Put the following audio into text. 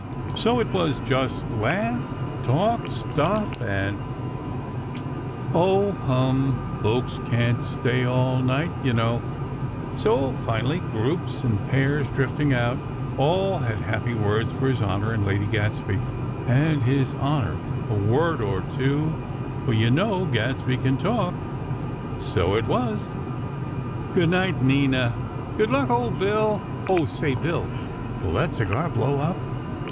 So it was just laugh, talk, "stuff," and Oh, hum! Folks can't stay all night, you know; so, finally, groups and pairs, drifting out, all had happy words for His Honor and Lady Gadsby; and His Honor, a word or two; for you know Gadsby can talk? So it was: "Good night, Nina; good luck, Old Bill! Oh! say, Bill; will that cigar blow up?